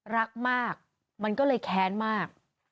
รักมากมันก็เลยแค้นมาก